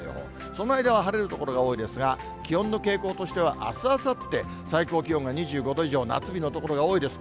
その間は晴れる所が多いですが、気温の傾向としては、あす、あさって、最高気温が２５度以上夏日の所が多いです。